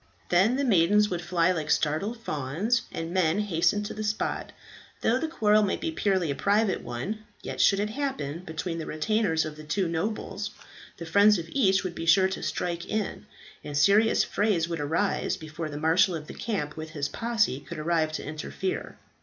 Then the maidens would fly like startled fawns, and men hasten to the spot; though the quarrel might be purely a private one, yet should it happen between the retainers of two nobles, the friends of each would be sure to strike in, and serious frays would arise before the marshal of the camp with his posse could arrive to interfere.